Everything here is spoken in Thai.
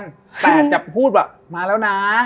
แต่จะพูดมาแล้ว